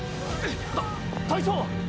「た隊長！」